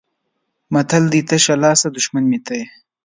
متل دی: تشه لاسه دښمن مې ته یې.